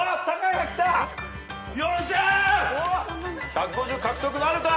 １５０獲得なるか？